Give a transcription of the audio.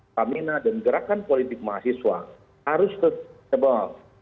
stamina dan gerakan politik mahasiswa harus terkebal